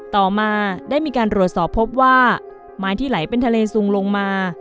ต่อมาได้มีการรวดสอบพบว่าไม้ที่ไหลเป็นทะเลซุงลงมา